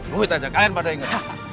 buhit aja kalian pada ingat